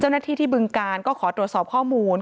เจ้าหน้าที่ที่บึงการก็ขอตรวจสอบข้อมูล